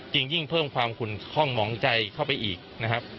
ยิ่งเพิ่มความขุนคล่องหมองใจเข้าไปอีกนะครับ